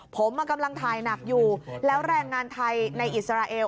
ผมกำลังถ่ายหนักอยู่แล้วแรงงานไทยในอิสราเอล